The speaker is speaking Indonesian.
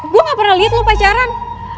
gue gak pernah liat lu pacaran